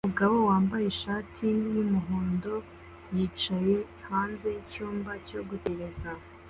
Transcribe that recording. Umugabo wambaye ishati yumuhondo yicaye hanze yicyumba cyo gutegereza